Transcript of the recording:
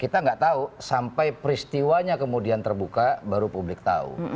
kita nggak tahu sampai peristiwanya kemudian terbuka baru publik tahu